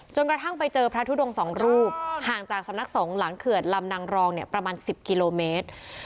กระทั่งไปเจอพระทุดง๒รูปห่างจากสำนักสงฆ์หลังเขื่อนลำนางรองประมาณ๑๐กิโลเมตร